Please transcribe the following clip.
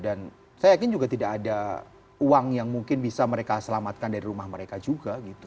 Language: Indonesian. dan saya yakin juga tidak ada uang yang mungkin bisa mereka selamatkan dari rumah mereka juga gitu